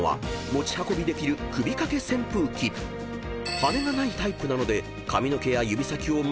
［羽根がないタイプなので］